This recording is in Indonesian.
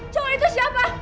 cuma itu siapa